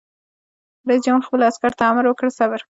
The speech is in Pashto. رئیس جمهور خپلو عسکرو ته امر وکړ؛ صبر!